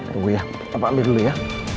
tunggu ya papa ambil dulu ya